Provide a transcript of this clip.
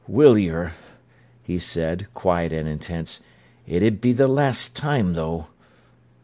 "Will yer?" he said, quiet and intense. "It 'ud be the last time, though."